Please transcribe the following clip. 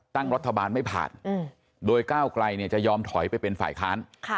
ตั้งรัฐบาลไม่ผ่านโดยก้าวไกลจะยอมถอยไปเป็นฝ่ายค้าน